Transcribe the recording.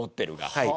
はい。